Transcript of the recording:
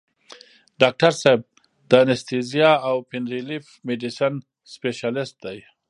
ډاکټر صېب دانستهزيا او پين ريليف ميډيسن سپيشلسټ دے ۔